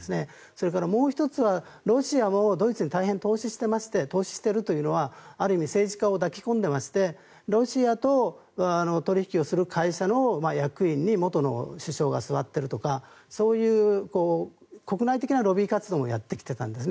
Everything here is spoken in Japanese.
それからもう１つはロシアもドイツに大変投資していまして投資しているというのはある意味政治家を抱き込んでいましてロシアと取引する会社の役員に元の首相が座っているとかそういう国内的なロビー活動もやってきていたんです。